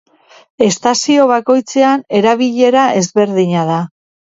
Estazio bakoitzean erabilera ezberdina da.